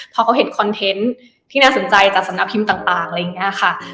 พอเขาเห็นคอนเทนต์ที่น่าสนใจจากสำนักพิมพ์ต่างอะไรอย่างนี้ค่ะ